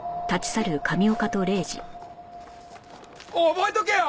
覚えとけよ！